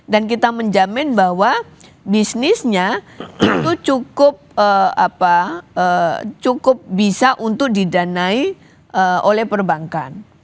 dan kita menjamin bahwa bisnisnya itu cukup bisa untuk didanai oleh perbankan